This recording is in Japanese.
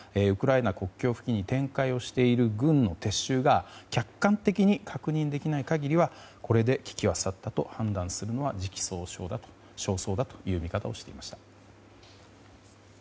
ウクライナ国境付近に展開をしている軍の撤収が客観的に確認できない限りはこれで危機は去ったと判断するのは時期尚早だという見方を示しました。